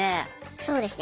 そうですね。